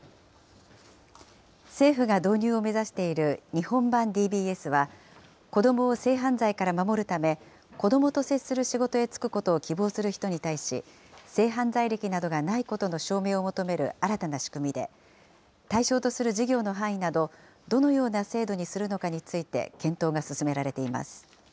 政府が導入を目指している日本版ＤＢＳは、子どもを性犯罪から守るため、子どもと接する仕事へ就くことを希望する人に対し、性犯罪歴などがないことなどの証明を求める新たな仕組みで、対象とする事業の範囲など、どのような制度にするのかについて、検討が進められています。